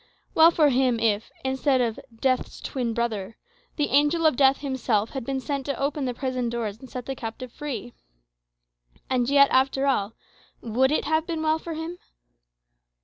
Well for him if, instead of "death's twin brother," the angel of death himself had been sent to open the prison doors and set the captive free! And yet, after all, would it have been well for him?